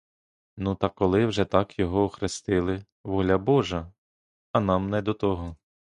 Ну та коли вже так його охрестили, воля божа, а нам не до того.